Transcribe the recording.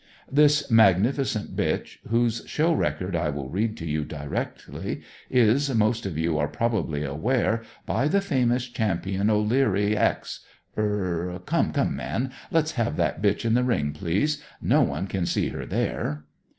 This magnificent bitch, whose show record I will read to you directly, is, most of you are probably aware, by the famous Champion O'Leary, ex er Come, come, man; let's have that bitch in the ring, please. No one can see her there."